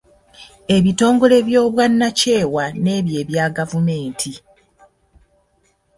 Ebitongole by'obwannakyewa n'ebya gavumenti.